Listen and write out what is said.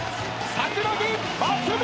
桜木松道！